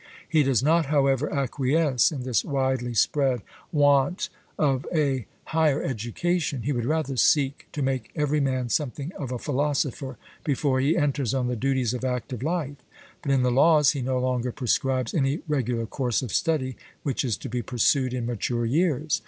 He does not however acquiesce in this widely spread want of a higher education; he would rather seek to make every man something of a philosopher before he enters on the duties of active life. But in the Laws he no longer prescribes any regular course of study which is to be pursued in mature years.